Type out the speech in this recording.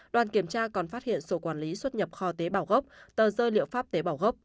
đoàn kiểm tra còn phát hiện sổ quản lý xuất nhập kho tế bảo gốc tờ rơi liệu pháp tế bào gốc